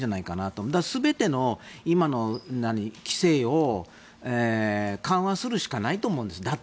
だったら、全ての今の規制を緩和するしかないんだと思うんです。